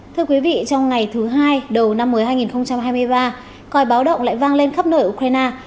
thưa quý vị trong ngày thứ hai đầu năm mới hai nghìn hai mươi ba coi báo động lại vang lên khắp nơi ukraine